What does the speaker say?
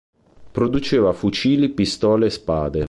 Produceva fucili, pistole e spade.